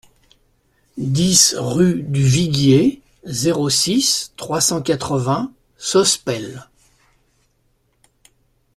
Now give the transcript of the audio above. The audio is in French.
dix rue du Viguier, zéro six, trois cent quatre-vingts Sospel